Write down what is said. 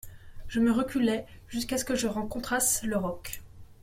Je me reculai jusqu'à ce que je rencontrasse le roc.